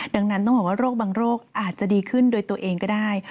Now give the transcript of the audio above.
ดังนั้นต้องบอกว่าโรคบางโรคอาจจะดีขึ้นโดยตัวเองก็ได้